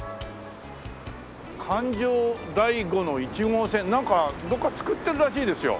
「環状第５の１号線」なんかどこか造ってるらしいですよ。